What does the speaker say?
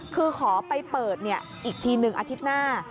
คือขอไปเปิดอีกทีหนึ่งอาทิตย์หน้า